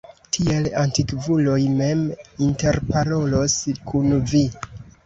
Tiel antikvuloj mem interparolos kun vi.